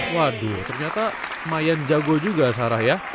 waduh ternyata mayan jago juga sarah ya